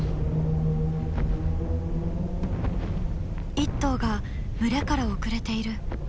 一頭が群れから遅れている。